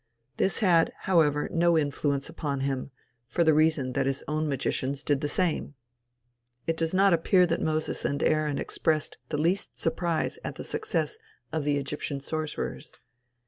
This had, however, no influence upon him, for the reason that his own magicians did the same. It does not appear that Moses and Aaron expressed the least surprise at the success of the Egyptian sorcerers.